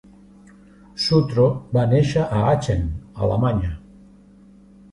Sutro va néixer a Aachen, Alemanya.